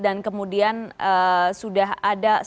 dan kemudian sudah ada